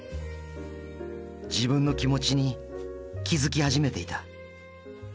自分の気持ちに気付き始めていた